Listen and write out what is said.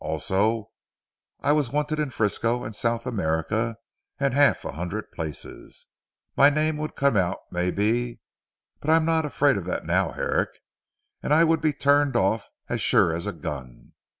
Also I was wanted in Frisco and South America and half a hundred places. My name would come out may be (but I am not afraid of that now Herrick) and I would be turned off as sure as a gun.